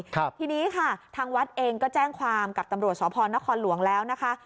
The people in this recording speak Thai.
ทีนี้ค่ะทางวัดเองก็แจ้งความกับตำรวจสพนครหลวงแล้วนะคะ